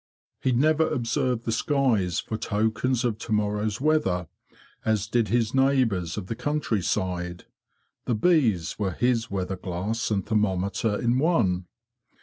He never observed the skies for tokens of to morrow's weather, as did his neighbours of the countryside. The bees were his weather glass and thermometer in one.